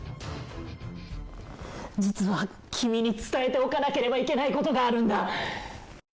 実は、君に伝えておかなければいけないことがあるんだ。